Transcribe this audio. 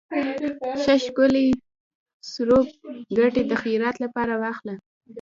ښه ښکلے څورب کټے د خيرات لپاره واخله۔